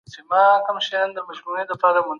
پښتو ته د زړه له کومي خدمت وکړه.